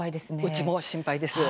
うちも心配です。